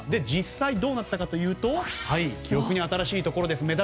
実際どうなったかというと記憶に新しいところです。